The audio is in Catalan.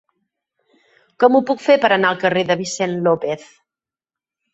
Com ho puc fer per anar al carrer de Vicent López?